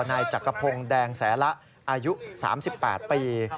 นายจักรพงศ์แดงแสละอายุ๓๘ปี